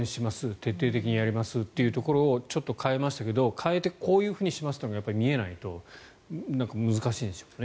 徹底的にやりますというところをちょっと変えましたけど、変えてこういうふうにしますというのがやっぱり見えないと難しいんでしょうね。